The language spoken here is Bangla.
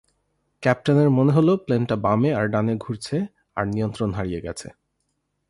ক্যাপ্টেনের মনে হলো, প্লেনটা বামে আর ডানে ঘুরছে আর নিয়ন্ত্রণ হারিয়ে গেছে।